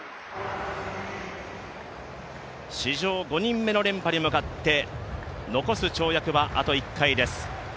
史上５人目の連覇に向かって残す跳躍はあと一回です。